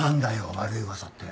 悪い噂って。